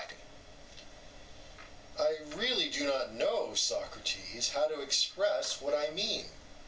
EUTHYPHRO: I really do not know, Socrates, how to express what I mean.